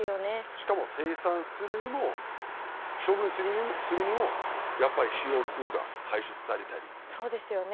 しかも生産するにも処分するにもやっぱりＣＯ２が排出されたりそうですよね